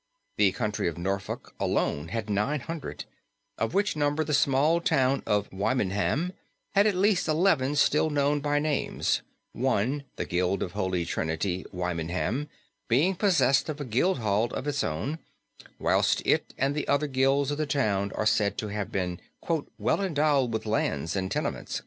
The county of Norfolk alone had nine hundred, of which number the small town of Wymondham had at least eleven still known by names, one the Guild of Holy Trinity, Wymondham being possessed of a guild hall of its own, whilst it and the other guilds of the town are said to have been "well endowed with lands and tenements."